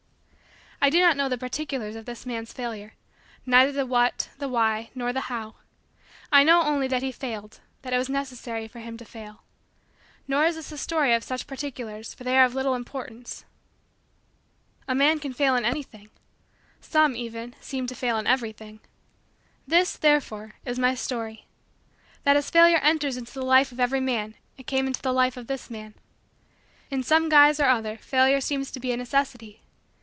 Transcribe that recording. I do not know the particulars of this man's failure neither the what, the why, nor the how. I know only that he failed that it was necessary for him to fail. Nor is this a story of such particulars for they are of little importance. A man can fail in anything. Some, even, seem to fail in everything. This, therefore, is my story: that as Failure enters into the life of every man it came into the life of this man. In some guise or other Failure seems to be a necessity.